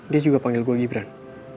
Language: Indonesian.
dia juga panggil gue gibran